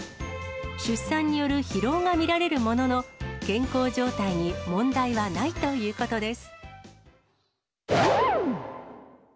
出産による疲労が見られるものの、健康状態に問題はないということです。